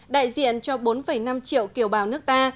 đại diện cho bốn năm triệu kiều bào nước ta